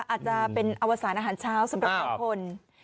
อาจจะเป็นอวสารอาหารเช้าสำหรับบางคน